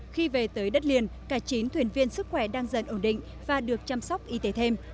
khi về tới đất liền cả chín thuyền viên sức khỏe đang dần ổn định và được chăm sóc y tế thêm